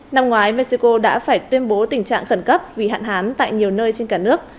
năm ngoái mexico đã phải tuyên bố tình trạng khẩn cấp vì hạn hán tại nhiều nơi trên cả nước